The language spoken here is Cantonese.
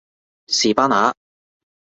士巴拿